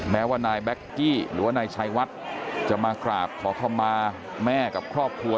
แม้ว่านายแก๊กกี้หรือว่านายชัยวัดจะมากราบขอเข้ามาแม่กับครอบครัว